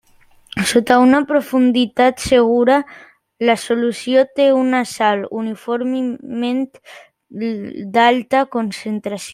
Sota una profunditat segura, la solució té una sal uniformement d'alta concentració.